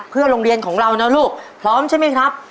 เพื่อโรงเรียนของเรานะลูกพร้อมใช่ไหมครับ